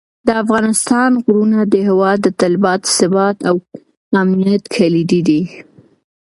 د افغانستان غرونه د هېواد د تلپاتې ثبات او امنیت کلیدي دي.